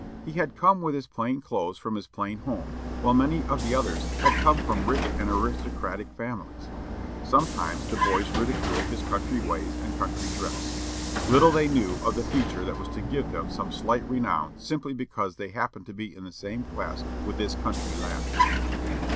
He had come with his plain clothes from his plain home, while many of the others had come from rich and aristocratic families. Sometimes the boys ridiculed his country ways and country dress. Little they knew of the future that was to give them some slight renown simply because they happened to be in the same class with this country lad!